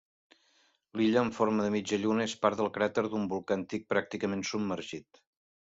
L'illa, amb forma de mitja lluna, és part del cràter d'un volcà antic pràcticament submergit.